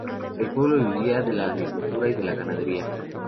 El pueblo vivía de la agricultura y de la ganadería.